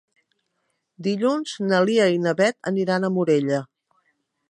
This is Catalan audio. Dilluns na Lia i na Beth aniran a Morella.